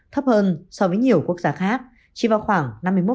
thấp hơn so với nhiều quốc gia khác chỉ vào khoảng năm mươi một